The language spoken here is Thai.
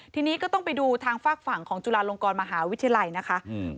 ทีนี้ก็ต้องไปดูทางฝากฝั่งของจุฬาลงกรมหาวิทยาลัยนะคะอืม